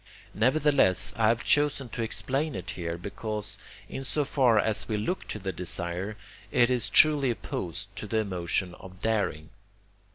Nevertheless, I have chosen to explain it here, because, in so far as we look to the desire, it is truly opposed to the emotion of daring.